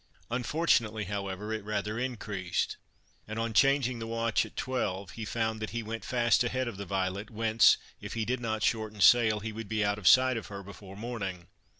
Unfortunately, however, it rather increased, and, on changing the watch at twelve, he found that he went fast a head of the Violet, whence, if he did not shorten sail, he would be out of sight of her before morning.